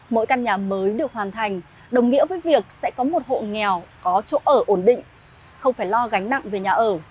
mỗi căn nhà mới được hoàn thành đồng nghĩa với việc sẽ có một hộ nghèo có chỗ ở ổn định không phải lo gánh nặng về nhà ở